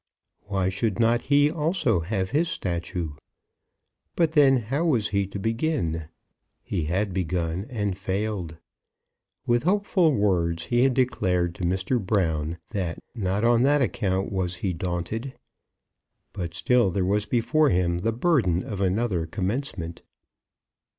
Why should not he also have his statue? But then how was he to begin? He had begun, and failed. With hopeful words he had declared to Mr. Brown that not on that account was he daunted; but still there was before him the burden of another commencement.